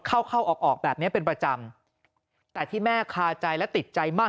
เข้าเข้าออกออกแบบเนี้ยเป็นประจำแต่ที่แม่คาใจและติดใจมาก